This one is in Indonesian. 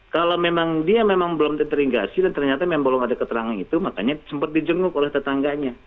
kalau memang dia memang belum teringasi dan ternyata memang belum ada keterangan itu makanya sempat dijenguk oleh tetangganya